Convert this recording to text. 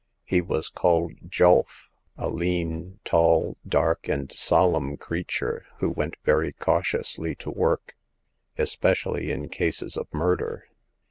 He was called Julf, a lean, tall, dark and solemn creature, who w^ent very cautiously to work — especially in cases of murder.